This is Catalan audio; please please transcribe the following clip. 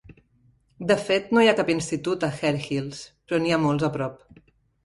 De fet, no hi ha cap institut a Harehills, però n'hi ha molts a prop.